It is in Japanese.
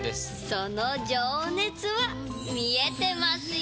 その情熱は見えてますよ！